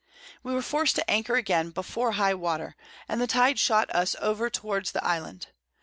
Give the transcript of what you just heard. We were forced to anchor again before high Water; and the Tide shot us over towards the Island.